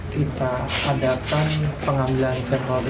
kita adakan pengambilan sampel